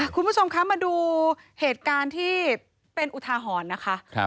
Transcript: คุณผู้ชมคะมาดูเหตุการณ์ที่เป็นอุทาหรณ์นะคะ